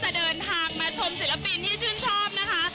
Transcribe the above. แต่ว่าแฟนนะคะก็ไม่ยอดท้อที่จะเดินทางมาชมศิลปินที่ชื่นชอบนะคะ